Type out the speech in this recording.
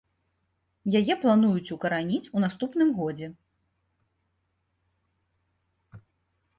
Яе плануюць укараніць у наступным годзе.